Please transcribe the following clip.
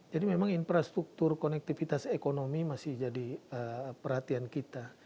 jadi memang infrastruktur konektivitas ekonomi masih jadi perhatian kita